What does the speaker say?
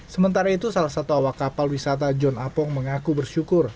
sementara itu salah satu awak kapal wisata john apong mengaku bersyukur